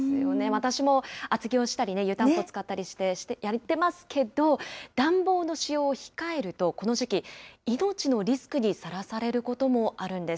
私も厚着をしたり、湯たんぽ使ったりしてやってますけど、暖房の使用を控えると、この時期、命のリスクにさらされることもあるんです。